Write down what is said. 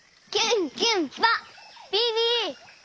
ビビ！